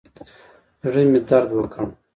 زړه مې درد وکړ.